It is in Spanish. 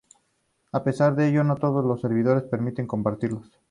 A pesar de ello, no todos los servidores permiten compartirlos.